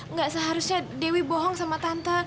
nggak seharusnya dewi bohong sama tante